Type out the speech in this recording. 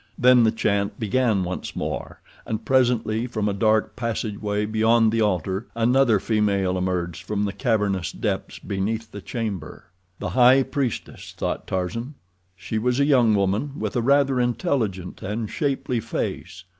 Then the chant began once more, and presently from a dark passageway beyond the altar another female emerged from the cavernous depths beneath the chamber. The high priestess, thought Tarzan. She was a young woman with a rather intelligent and shapely face.